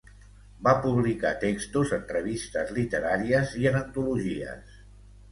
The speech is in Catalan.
Va publicar textos en revistes literàries i en antologies.